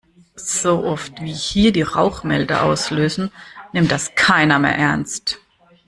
So oft, wie hier die Rauchmelder auslösen, nimmt das keiner mehr ernst.